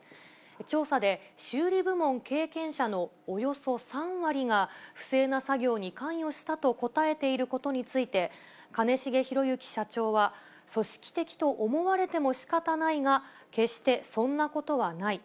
調査で修理部門経験者のおよそ３割が不正な作業に関与したと答えていることについて、兼重宏行社長は、組織的と思われてもしかたないが、決してそんなことはない。